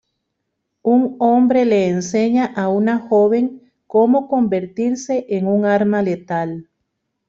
Un hombre le enseña a una joven cómo convertirse en un arma letal.